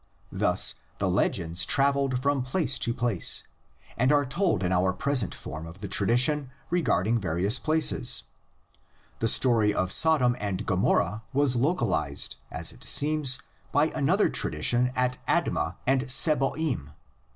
Thus the legends travelled from place to place and are told in our present form of the tradition regard ing various places. The story of Sodom and Gomorrah was localised, as it seems, by another tradition at Adma and Sebo'im (cp. my Commen tary^ p. 195).